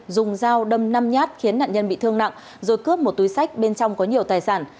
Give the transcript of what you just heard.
dùng dao đâm năm nhát khiến nạn nhân bị thương nặng rồi cướp một túi sách bên trong có nhiều tài sản